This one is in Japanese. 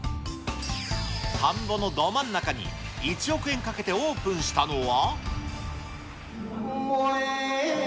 田んぼのど真ん中に１億円かけてオープンしたのは。